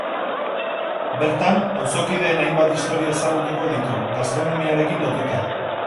Bertan, auzokideen hainbat istorio ezagutuko ditu, gastronomiarekin lotuta.